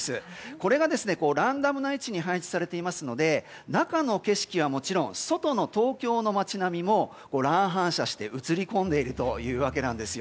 これがランダムな位置に配置されていますので中の景色はもちろん外の東京の街並みも乱反射して移り込んでいるというわけです。